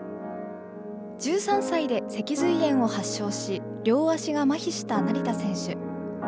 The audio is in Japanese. １３歳で脊髄炎を発症し、両足がまひした成田選手。